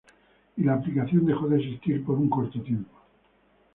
Y la aplicación dejó de existir por un corto tiempo.